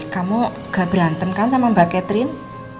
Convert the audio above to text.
kamu gak berantem kan sama mbak catherine